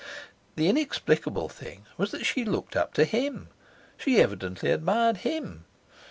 The inexplicable thing was that she looked up to HIM. She evidently admired HIM.